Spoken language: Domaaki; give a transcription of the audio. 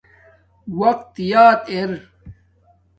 وقت یاد ار